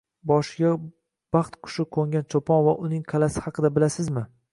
Boshiga baxt qushi qoʻngan choʻpon va uning qalʼasi haqida bilasizmi?